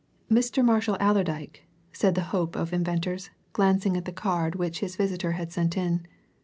"Mr. Marshall Allerdyke," said the hope of inventors, glancing at the card which his visitor had sent in.